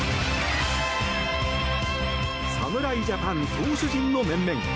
侍ジャパン投手陣の面々